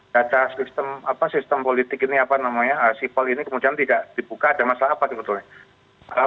data sistem politik ini apa namanya sipol ini kemudian tidak dibuka ada masalah apa sebetulnya